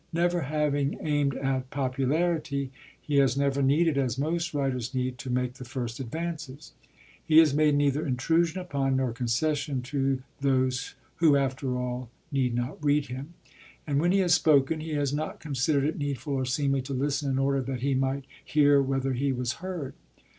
Never having aimed at popularity, he has never needed, as most writers need, to make the first advances. He has made neither intrusion upon nor concession to those who after all need not read him. And when he has spoken he has not considered it needful or seemly to listen in order that he might hear whether he was heard.